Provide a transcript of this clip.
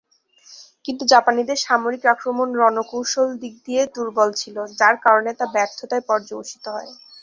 কিন্তু জাপানীদের সামরিক আক্রমণ রণকৌশল দিক দিয়ে দূর্বল ছিল যার কারণে তা ব্যর্থতায় পর্যবসিত হয়েছিল।